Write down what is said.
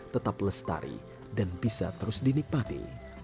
tetap lestari dan bisa terus dinikmati